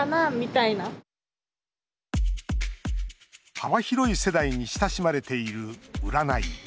幅広い世代に親しまれている、占い。